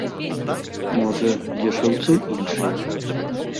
Можа, дзе шаўцы іншыя.